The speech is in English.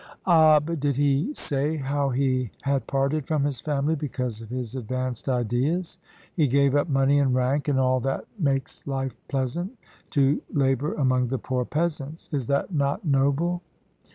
"Ah, but did he say how he had parted from his family because of his advanced ideas? He gave up money and rank, and all that makes life pleasant, to labour among the poor peasants. Is that not noble?"